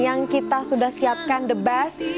yang kita sudah siapkan the best